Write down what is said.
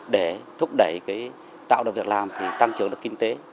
để thúc đẩy tạo được việc làm thì tăng trưởng được kinh tế